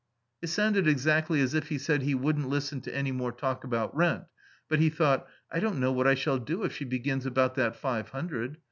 It sounded exactly as if he said he wouldn't listen to any more talk about rent; but he thought: "I don't know what I shall do if she begins about that five hundred.